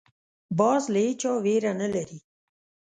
باز له هېچا ویره نه لري